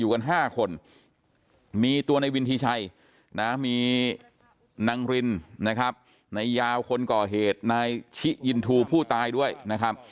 กัน๕คนมีตัวในวินทีชัยนะมีนางรินนะครับนายยาวคนก่อเหตุนายชิยินทูผู้ตายด้วยนะครับ